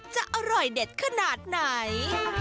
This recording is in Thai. จะอร่อยเด็ดขนาดไหน